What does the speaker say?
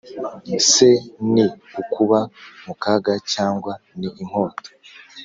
se ni ukuba mu kaga, cyangwa ni inkota?